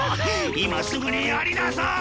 今すぐにやりなさい！